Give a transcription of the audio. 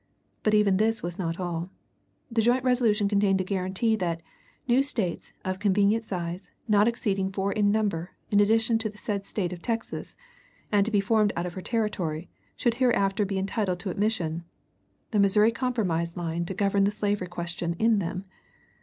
But even this was not all. The joint resolution contained a guarantee that "new States, of convenient size, not exceeding four in number, in addition to the said State of Texas," and to be formed out of her territory, should hereafter be entitled to admission the Missouri Compromise line to govern the slavery question in them.